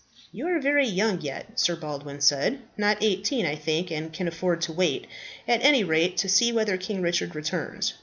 "You are very young yet," Sir Baldwin said, "not eighteen, I think, and can afford to wait, at any rate, to see whether King Richard returns.